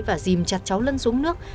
và dìm chặt cháu lân xuống nước